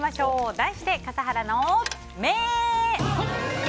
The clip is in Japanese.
題して、笠原の眼！